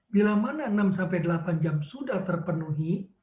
bila mana enam delapan jam sudah terpenuhi